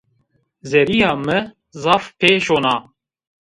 Zerrîya mi zaf pê şona